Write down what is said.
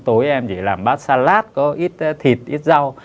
tối em chỉ làm bát salat có ít thịt ít rau